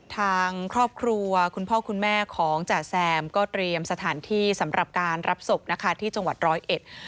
ทางครอบครัวคุณพ่อคุณแม่ของจ่าแซมก็เตรียมสถานที่สำหรับการรับศพนะคะที่จังหวัดร้อยเอ็ด